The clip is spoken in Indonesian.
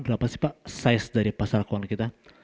berapa sih pak size dari pasar keuangan kita